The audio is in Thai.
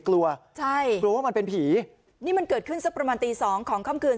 กลัวใช่กลัวว่ามันเป็นผีนี่มันเกิดขึ้นสักประมาณตีสองของค่ำคืน